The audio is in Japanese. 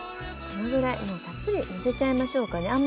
このぐらいもうたっぷりのせちゃいましょうかね。